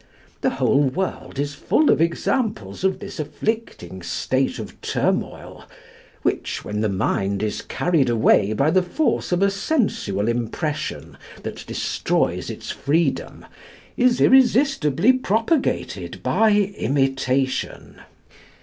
The whole world is full of examples of this afflicting state of turmoil, which, when the mind is carried away by the force of a sensual impression that destroys its freedom, is irresistibly propagated by imitation.